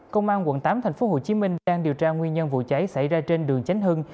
công an quận tám tp hcm đang điều tra nguyên nhân vụ cháy xảy ra trên đường tránh hưng